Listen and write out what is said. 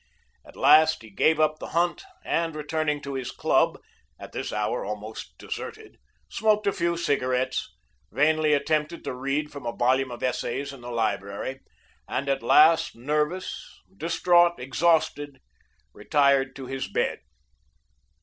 At last, he gave up the hunt, and returning to his club at this hour almost deserted smoked a few cigarettes, vainly attempted to read from a volume of essays in the library, and at last, nervous, distraught, exhausted, retired to his bed.